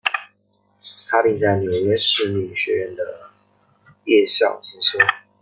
他并在纽约市立学院的夜校进修。